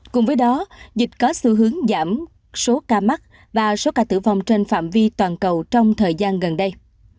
cùng với đó dịch có xu hướng giảm số ca mắc và số ca tử vong trên phạm vi toàn cầu trong thời gian gần đây